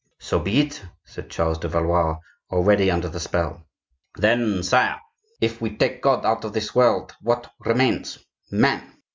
"So be it!" said Charles de Valois, already under the spell. "Then, sire, if we take God out of this world, what remains? Man.